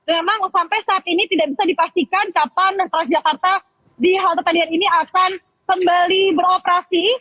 memang sampai saat ini tidak bisa dipastikan kapan transjakarta di halte padian ini akan kembali beroperasi